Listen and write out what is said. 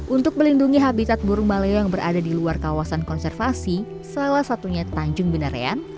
untuk melindungi habitat burung maleo yang berada di luar kawasan konservasi salah satunya tanjung binarean